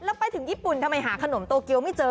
แล้วไปถึงญี่ปุ่นทำไมหาขนมโตเกียวไม่เจอ